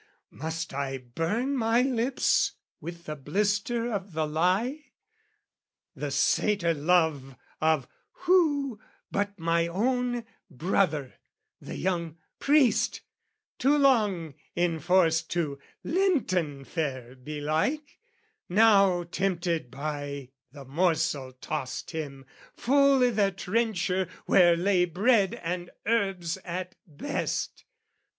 must I burn my lips With the blister of the lie?...the satyr love Of who but my own brother, the young priest, Too long enforced to lenten fare belike, Now tempted by the morsel tossed him full I' the trencher where lay bread and herbs at best.